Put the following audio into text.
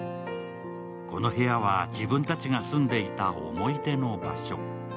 この部屋は、自分たちが住んでいた思い出の場所。